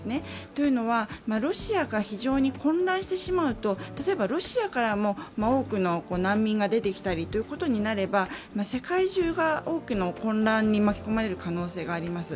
というのは、ロシアが非常に混乱してしまうと例えばロシアからも多くの難民が出てきたりということになれば世界中が大きな混乱に巻き込まれる可能性があります。